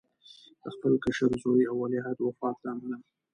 د خپل کشر زوی او ولیعهد وفات له امله.